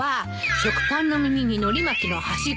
食パンの耳にのり巻きの端っこ。